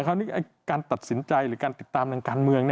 คราวนี้การตัดสินใจหรือการติดตามทางการเมือง